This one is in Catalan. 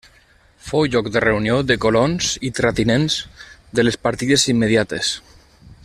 Fou lloc de reunió de colons i terratinents de les partides immediates.